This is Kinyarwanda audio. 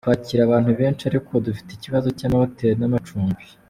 Twakira abantu benshi, ariko dufite ikibazo cy’amahoteli n’amacumbi.